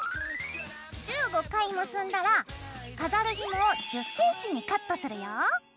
１５回結んだら飾るひもを１０ｃｍにカットするよ。